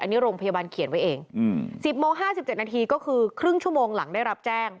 อันนี้โรงพยาบาลเขียนไว้เอง๑๐โมง๕๗นาทีก็คือครึ่งชั่วโมงหลังได้รับแจ้ง